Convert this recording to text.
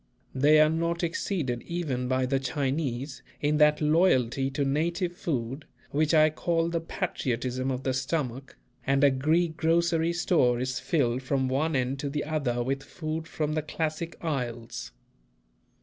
They are not exceeded even by the Chinese in that loyalty to native food which I call the patriotism of the stomach, and a Greek grocery store is filled from one end to the other with food from the classic isles.